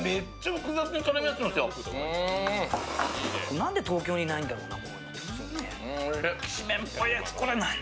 何で東京にないんだろうな。